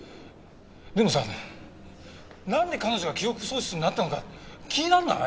でもさなんで彼女が記憶喪失になったのか気になんない？